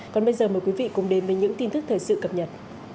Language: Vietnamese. còn bây giờ mời quý vị cùng đến với những tin tức thời sự cập nhật